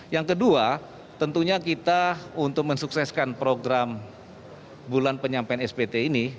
yang kedua tentunya kita untuk mensukseskan program bulan penyampaian spt ini